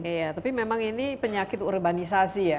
iya tapi memang ini penyakit urbanisasi ya